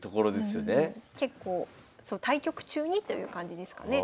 結構対局中にという感じですかね。